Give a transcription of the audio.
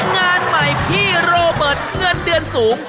งานใหม่พี่โรเบิร์ตเงินเดือนสูง